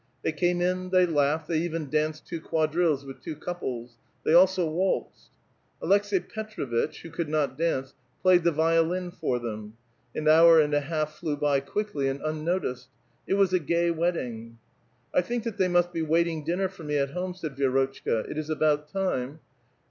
Thej' came in, they laughed, they even danced two quadrilles with two couples : tbey also ^waltzed. Aleks6i Petr6vitch, who could not dance, played t^lie violin for them ; an hour and a half flew by quickly and vinnoticed. It was a gay wedding. ^' I think that they must be waiting dinner for me at liome," said Vi^rotchka, "it is about time.